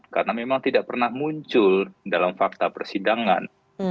karena memang tidak pernah muncul dalam fakta persidangan